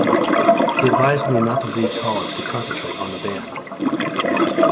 He advised me not to leave college to concentrate on the band.